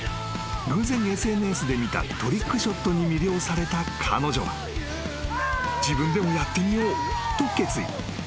偶然ＳＮＳで見たトリックショットに魅了された彼女は自分でもやってみようと決意］